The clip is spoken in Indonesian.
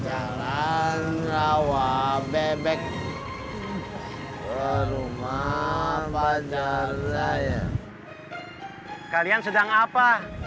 jalan rawa bebek rumah panjang raya kalian sedang apa